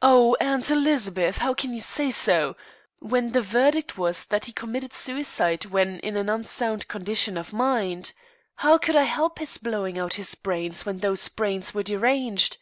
"Oh, Aunt Elizabeth, how can you say so, when the verdict was that he committed suicide when in an unsound condition of mind? How could I help his blowing out his brains, when those brains were deranged?"